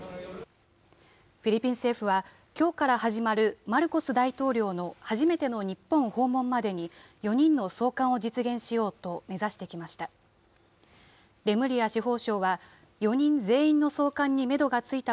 フィリピン政府は、きょうから始まるマルコス大統領の初めての日本訪問までに４人の送還を実現しようと目指してきました。